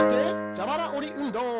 じゃばらおりうんどう！